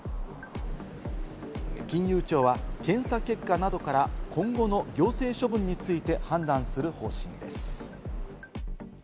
金融庁は検査結果などから、今後の行政処分について判断する方針です。